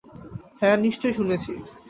হ্যাঁ, নিশ্চয়ই শুনেছি।